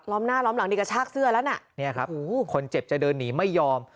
ล้อมหน้าล้อมหลังดีกับชาติเสื้อแล้วน่ะเนี่ยครับโอ้โหคนเจ็บจะเดินหนีไม่ยอม